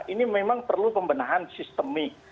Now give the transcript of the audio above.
ini memang perlu pembenahan sistemik